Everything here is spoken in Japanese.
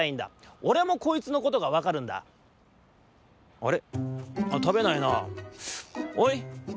あれ？